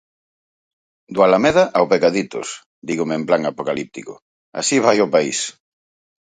"Do Alameda ao Pecaditos", dígome en plan apocalíptico, "así vai o país...".